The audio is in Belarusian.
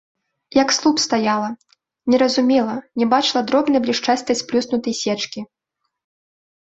Як слуп стаяла, не разумела, не бачыла дробнай блішчастай сплюснутай сечкі.